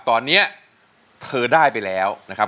ตอนนี้เธอได้ไปแล้วนะครับ